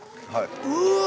うわ！